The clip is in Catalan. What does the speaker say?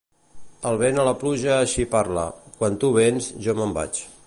El vent a la pluja així va parlar: —Quan tu vens jo me'n vaig.